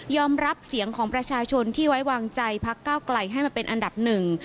รับเสียงของประชาชนที่ไว้วางใจพักเก้าไกลให้มาเป็นอันดับหนึ่ง